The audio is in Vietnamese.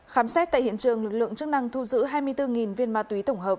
khám xét tại hiện trường lực lượng chức năng thu giữ hai mươi bốn viên ma túy tổng hợp